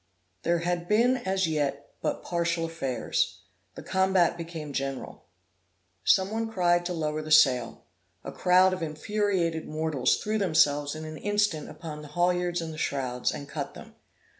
There had been as yet but partial affairs; the combat became general. Some one cried to lower the sail; a crowd of infuriated mortals threw themselves in an instant upon the haulyards and the shrouds, and cut them.